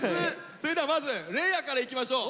それではまず嶺亜からいきましょう。